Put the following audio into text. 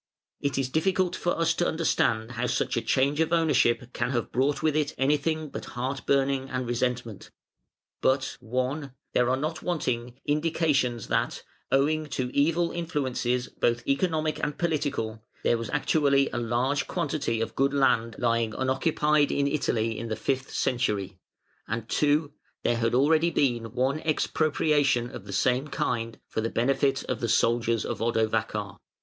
It is difficult for us to understand how such a change of ownership can have brought with it anything but heart burning and resentment. But (1) there are not wanting indications that, owing to evil influences both economic and political, there was actually a large quantity of good land lying unoccupied in Italy in the fifth century; and (2) there had already been one expropriation of the same kind for the benefit of the soldiers of Odovacar.